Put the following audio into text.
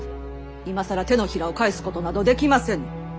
今更手のひらを返すことなどできませぬ。